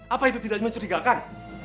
apa itu tidak mencerigakan